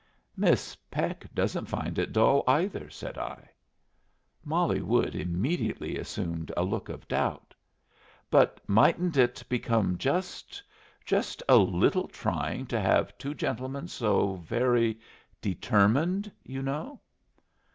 "Miss Peck doesn't find it dull either," said I. Molly Wood immediately assumed a look of doubt. "But mightn't it become just just a little trying to have two gentlemen so very determined, you know?"